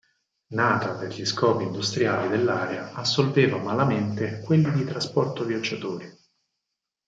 Nata per gli scopi industriali dell'area assolveva malamente quelli di trasporto viaggiatori.